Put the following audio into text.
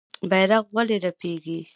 بیرغ ولې رپیږي؟